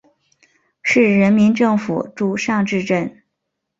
市人民政府驻尚志镇。